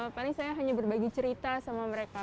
paling saya hanya berbagi cerita sama mereka